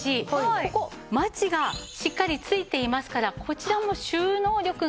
ここマチがしっかり付いていますからこちらも収納力があります。